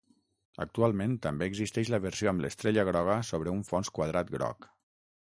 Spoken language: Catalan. Actualment, també existeix la versió amb l'estrella groga sobre un fons quadrat groc.